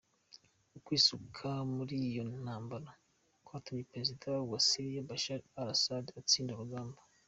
Ukwisuka muri iyo ntambara kwatumye prezida wa Syria Bashar al-Assad atsinda urugamba.